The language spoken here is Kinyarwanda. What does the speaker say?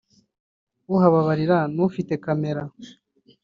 uhababarira ni ufite camera